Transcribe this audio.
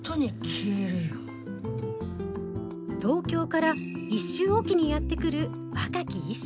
東京から１週置きにやって来る若き医師。